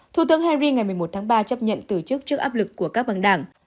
thủ tướng harri ngày một mươi một tháng ba chấp nhận từ chức trước áp lực của các băng đảng